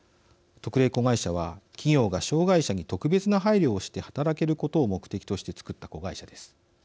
特例子会社は企業が障害者に特別な配慮をして働けることを目的として作った子会社です。